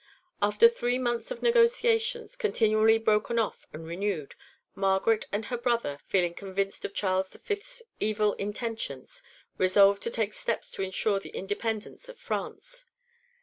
After three months of negotiations, continually broken off and renewed, Margaret and her brother, feeling convinced of Charles V.'s evil intentions, resolved to take steps to ensure the independence of France.